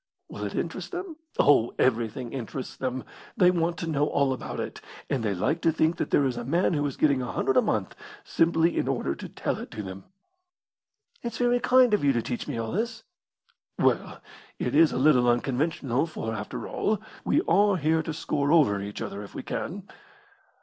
"Will it interest them?" "Oh, everything interests them. They want to know all about it; and they like to think that there is a man who is getting a hundred a month simply in order to tell it to them." "It's very kind of you to teach me all this." "Well, it is a little unconventional, for, after all, we are here to score over each other if we can.